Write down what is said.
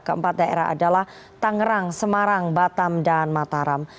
keempat daerah adalah tangerang semarang batam dan mataram